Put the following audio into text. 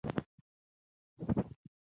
د چونې تیږه کیمیاوي فورمول لري.